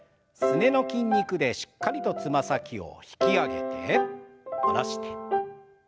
すねの筋肉でしっかりとつま先を引き上げて下ろして。